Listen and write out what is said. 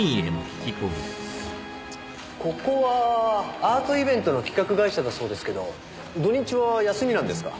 ここはアートイベントの企画会社だそうですけど土日は休みなんですか？